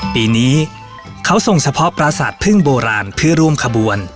ปีนี้เขาส่งเฉพาะปราสาทพึ่งโบราณเพื่อร่วมขบวน